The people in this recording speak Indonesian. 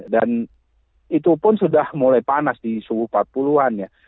dan itu pun sudah mulai panas di suhu empat puluh an ya